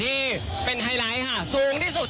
ที่สนชนะสงครามเปิดเพิ่ม